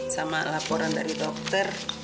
sama laporan dari dokter